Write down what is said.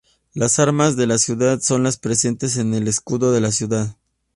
Las armas de la ciudad son las presentes en el escudo de la ciudad.